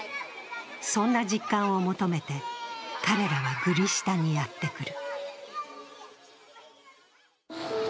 そんな実感を求めて、彼らはグリ下にやって来る。